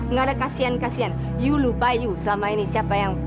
nggak ada kasihan kasihan yuk lupa yuk selama ini siapa yang